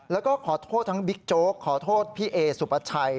แล้วก็ขอโทษทั้งบิ๊กโจ๊กขอโทษพี่เอสุปชัย